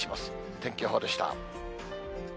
天気予報でした。